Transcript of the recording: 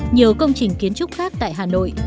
nhiều công trình kiến trúc khác tại hà nội